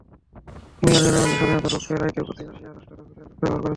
ক্রিমিয়ার জনগণের স্বাধীনতার পক্ষের রায়কে পুতিন রাশিয়ার রাষ্ট্র দখলের লক্ষ্যে ব্যবহার করেছেন।